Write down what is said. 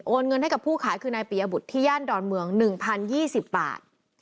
เงินให้กับผู้ขายคือนายปียบุตรที่ย่านดอนเมือง๑๐๒๐บาท